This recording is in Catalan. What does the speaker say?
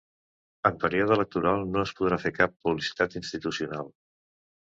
En període electoral no es podrà fer cap publicitat institucional.